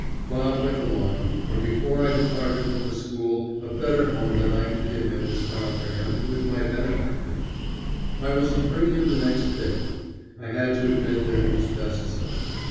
Bob went along, and before I departed from the school a better home than I could give him was found for him with my benefactor. I was to bring him the next day. I had to admit that it was best so.